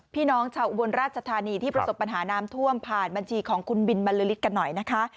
พี่น้องชาวอุบลราชธานีที่ประสบปัญหาน้ำท่วมผ่านบัญชีของคุณบินบรรลือฤทธิกันหน่อยนะคะ